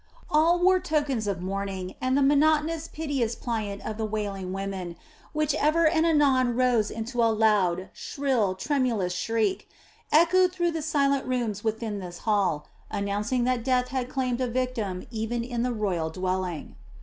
All wore tokens of mourning, and the monotonous, piteous plaint of the wailing women, which ever and anon rose into a loud, shrill, tremulous shriek, echoed through the silent rooms within to this hall, announcing that death had claimed a victim even in the royal dwelling.